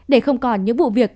để không còn những vụ việc